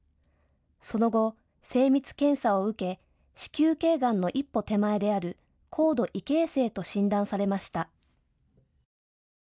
その後、精密検査を受け子宮頸がんの一歩手前である高度異形成と診断されました。